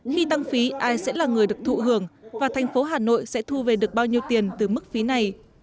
khi tăng phí ai sẽ là người được thụ hưởng và thành phố hà nội sẽ thu về được bao nhiêu tiền từ mức phí này